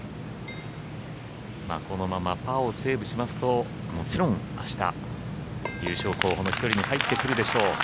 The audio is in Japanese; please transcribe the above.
このままパーをセーブしますともちろん明日、優勝候補の１人に入ってくるでしょう。